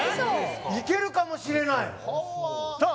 いけるかもしれないはあさあ